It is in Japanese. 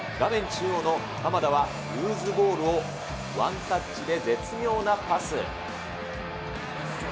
中央の鎌田はルーズボールをワンタッチで絶妙なパス。